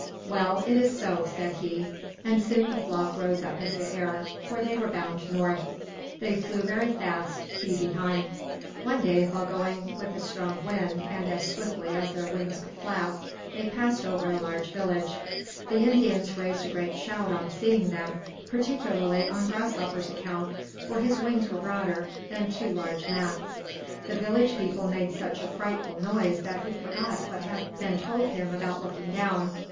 "Well, it is so," said he; and soon the flock rose up into the air, for they were bound north. They flew very fast he behind. One day, while going with a strong wind and as swiftly as their wings could flap, they passed over a large village. The Indians raised a great shout on seeing them, particularly on Grasshopper's account, for his wings were broader than two large mats. The village people made such a frightful noise that he forgot what had been told him about looking down.